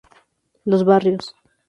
Los Barrios